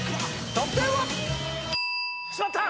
得点は？しまった！